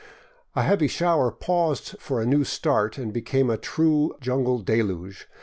A heavy shower paused for a new start and became a true jungle deluge.